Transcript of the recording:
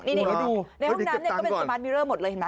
นี่ในห้องน้ำก็เป็นสมัครเมิร์อหมดเลยเห็นไหม